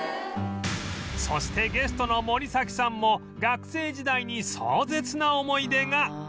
そしてゲストの森崎さんも学生時代に壮絶な思い出が